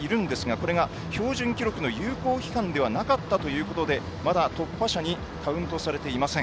これが標準記録の有効期間ではなかったということでまだ突破者にカウントされていません。